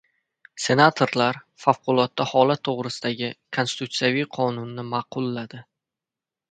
Senatorlar «Favqulodda holat to‘g‘risida»gi konstitutsiyaviy qonunni ma'qulladi